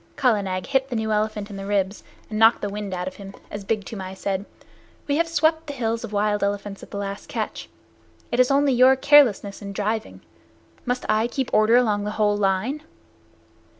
Kala Nag hit the new elephant in the ribs and knocked the wind out of him, as Big Toomai said, "We have swept the hills of wild elephants at the last catch. It is only your carelessness in driving. Must I keep order along the whole line?"